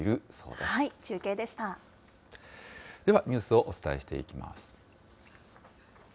では、ニュースをお伝えしていきます。